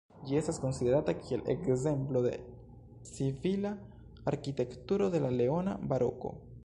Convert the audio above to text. Ĝi estas konsiderata kiel ekzemplo de civila arkitekturo de la leona baroko.